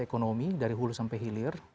ekonomi dari hulu sampai hilir